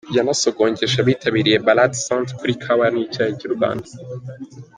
Yanasogongeje abitabiriye ‘‘Balade Santé’’ kuri Kawa n’icyayi cy’u Rwanda.